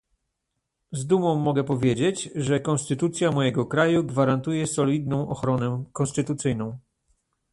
Z dumą mogę powiedzieć, że konstytucja mojego kraju gwarantuje solidną ochronę konstytucyjną